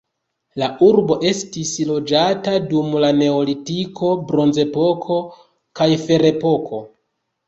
La urbo estis loĝata dum la neolitiko, bronzepoko kaj ferepoko.